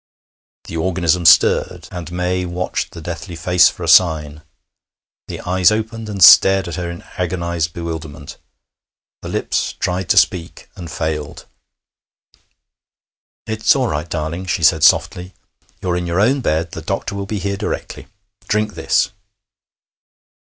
The organism stirred, and May watched the deathly face for a sign. The eyes opened and stared at her in agonized bewilderment. The lips tried to speak, and failed. 'It's all right, darling,' she said softly. 'You're in your own bed. The doctor will be here directly. Drink this.'